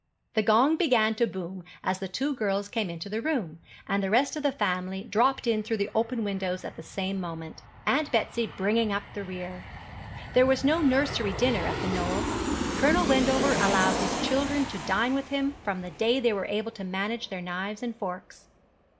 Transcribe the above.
The gong began to boom as the two girls came into the room, and the rest of the family dropped in through the open windows at the same moment, Aunt Betsy bringing up the rear. There was no nursery dinner at The Knoll. Colonel Wendover allowed his children to dine with him from the day they were able to manage their knives and forks.